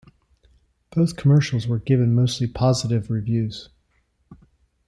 Both commercials were given mostly positive reviews.